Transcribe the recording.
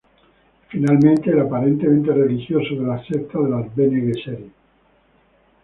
Y finalmente el aparentemente religioso de la secta de las Bene Gesserit.